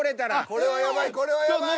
これはやばいこれはやばい。